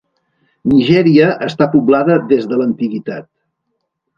Nigèria està poblada des de l'antiguitat.